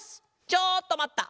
ちょっとまった！